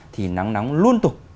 thì nóng nóng luôn tục